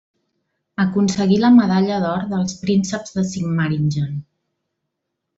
Aconseguí la medalla d'or dels prínceps de Sigmaringen.